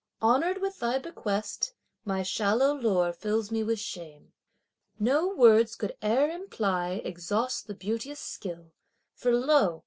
Honoured with thy bequest, my shallow lore fills me with shame. No words could e'er amply exhaust the beauteous skill, For lo!